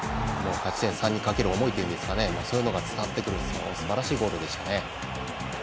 勝ち点３にかける思いそういうものが伝わってくるすばらしいゴールでしたね。